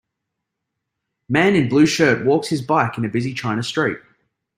Man in blue shirt walks his bike in busy China street.